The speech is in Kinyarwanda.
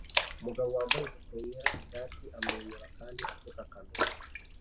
Umugabo wambaye buto yera ishati amwenyura kandi aseka kamera